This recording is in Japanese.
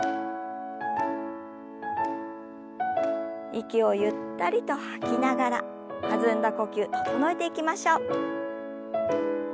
息をゆったりと吐きながら弾んだ呼吸整えていきましょう。